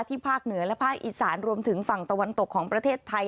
ภาคเหนือและภาคอีสานรวมถึงฝั่งตะวันตกของประเทศไทย